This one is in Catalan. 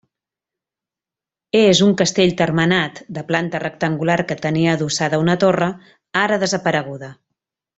És un castell termenat, de planta rectangular que tenia adossada una torre, ara desapareguda.